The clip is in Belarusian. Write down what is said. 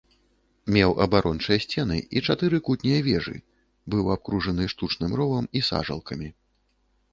Меў абарончыя сцены і чатыры кутнія вежы, быў абкружаны штучным ровам і сажалкамі.